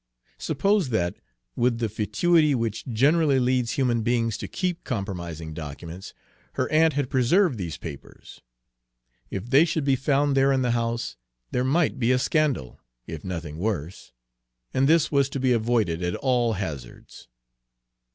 Suppose that, with the fatuity which generally leads human beings to keep compromising documents, her aunt had preserved these papers? If they should be found there in the house, there might be a scandal, if nothing worse, and this was to be avoided at all hazards.